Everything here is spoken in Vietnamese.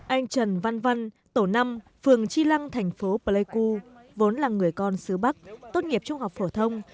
anh trần văn văn tổ năm phường chi lăng thành phố pleiku vốn là người con sứ bắc tốt nghiệp trung học phổ thông